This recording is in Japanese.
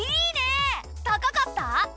高かった？